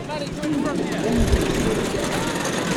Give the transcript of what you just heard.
Ur urgan yir tirga.